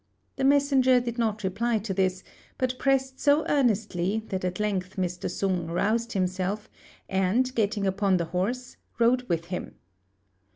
The messenger did not reply to this, but pressed so earnestly that at length Mr. Sung roused himself, and getting upon the horse rode with him.